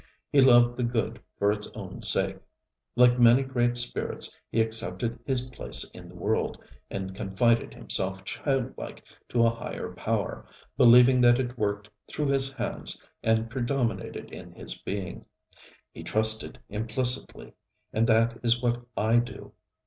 He loved the good for its own sake. Like many great spirits he accepted his place in the world, and confided himself childlike to a higher power, believing that it worked through his hands and predominated in his being. He trusted implicitly, and that is what I do.